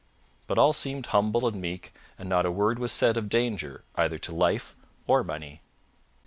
But all seemed humble and meek and not a word was said of danger, either to life or money.